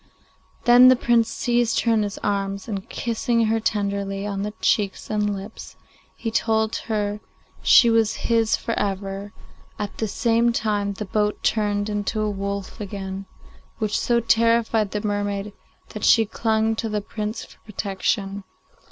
Then the Prince seized her in his arms, and kissing her tenderly on the cheeks and lips, he told her she was his for ever; at the same moment the boat turned into a wolf again, which so terrified the mermaid that she clung to the Prince for protection.